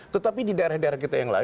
terima kasih pak jamal